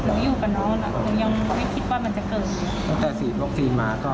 น้องเองยังไม่คุ้นสั่งเสียเมื่อ